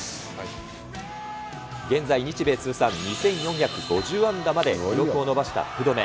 現在、日米通算２４５０安打まで記録を伸ばした福留。